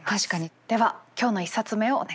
では今日の１冊目をお願いします。